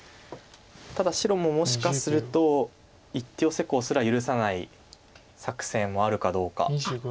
ただ白ももしかすると一手ヨセコウすら許さない作戦があるかどうか。